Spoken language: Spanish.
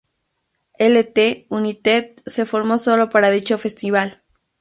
Lt United se formó solo para dicho festival.